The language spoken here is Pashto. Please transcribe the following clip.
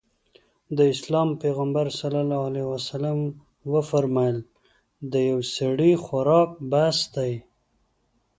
د اسلام پيغمبر ص وفرمايل د يوه سړي خوراک بس دی.